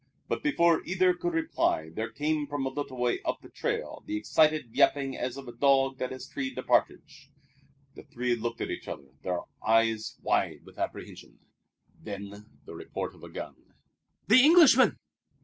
But before either could reply there came from a little way up the trail the excited yapping as of a dog that has treed a partridge. The three looked at each other, their eyes wide with apprehension. Then the report of a gun. "The Englishman!"